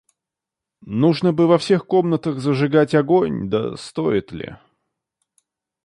Нужно бы во всех комнатах зажигать огонь, — да стоит ли?